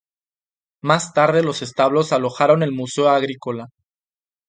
Más tarde los establos alojaron el Museo Agrícola.